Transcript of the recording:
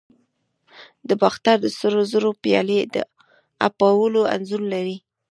د باختر د سرو زرو پیالې د اپولو انځور لري